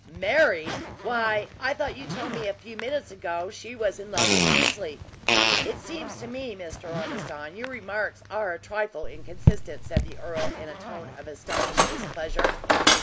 "Married? Why, I thought you told me a few minutes ago she was in love with Kingsley. It seems to me, Mr. Ormiston, your remarks are a trifle inconsistent," said the earl, in a tone of astonished displeasure.